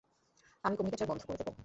আমি কম্যুনিকেটর বন্ধ করে দেব।